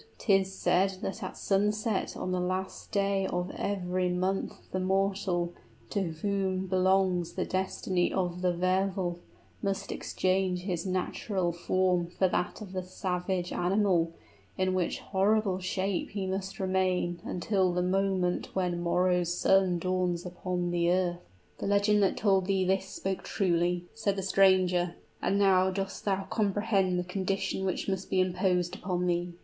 "'Tis said that at sunset on the last day of every month the mortal, to whom belongs the destiny of the Wehr Wolf, must exchange his natural form for that of the savage animal; in which horrible shape he must remain until the moment when the morrow's sun dawns upon the earth." "The legend that told thee this spoke truly," said the stranger. "And now dost thou comprehend the condition which must be imposed upon thee?"